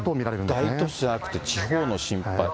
大都市じゃなくて、地方の心配。